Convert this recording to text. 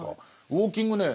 ウォーキングね